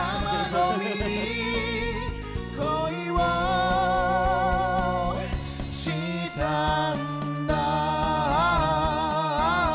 「恋をしたんだ」